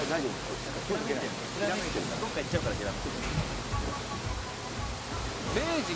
どっか行っちゃうからひらめきが。